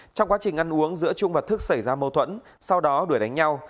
trong quá trình ăn uống giữa trung và thức xảy ra mâu thuẫn sau đó đuổi đánh nhau